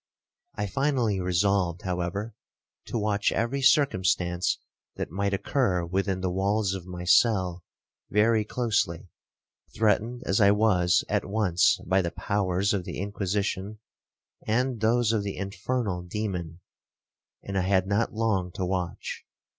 I finally resolved, however, to watch every circumstance that might occur within the walls of my cell very closely, threatened as I was at once by the powers of the Inquisition, and those of the infernal demon, and I had not long to watch.